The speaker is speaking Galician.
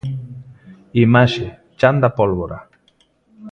Imaxe: Chan da Pólvora.